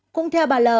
cũng theo bà l